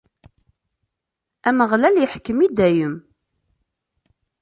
Ameɣlal iḥkem i dayem.